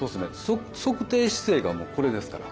測定姿勢がもうこれですから。